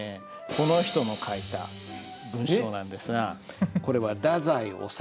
この人の書いた文章なんですがこれは太宰治という人です。